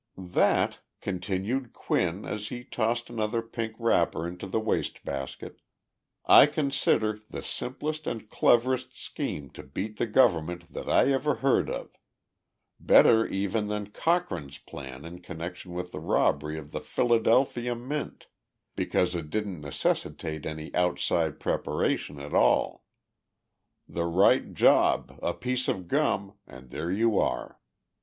"That," continued Quinn, as he tossed another pink wrapper into the wastebasket, "I consider the simplest and cleverest scheme to beat the government that I ever heard of better even than Cochrane's plan in connection with the robbery of the Philadelphia mint, because it didn't necessitate any outside preparation at all. The right job, a piece of gum, and there you are.